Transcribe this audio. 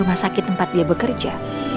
rumah sakit tempat dia bekerja